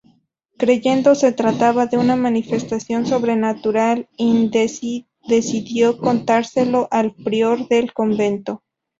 Creyendo se trataba de una manifestación sobrenatural, decidió contárselo al prior del convento.